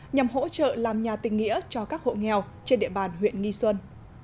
nhằm hỗ trợ làm nhà tình nghĩa cho các hộ nghèo trên địa bàn huyện nghi xuân